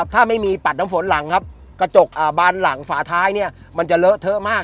ถ้าไม่มีปัดน้ำฝนหลังครับกระจกบานหลังฝาท้ายเนี่ยมันจะเลอะเทอะมาก